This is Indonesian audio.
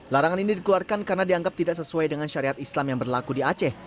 larangan ini dikeluarkan karena dianggap tidak sesuai dengan syariat islam yang berlaku di aceh